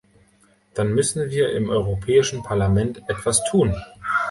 Dann müssen wir im Europäischen Parlament etwas tun.